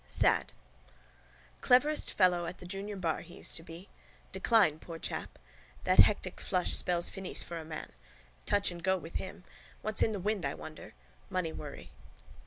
SAD Cleverest fellow at the junior bar he used to be. Decline, poor chap. That hectic flush spells finis for a man. Touch and go with him. What's in the wind, I wonder. Money worry.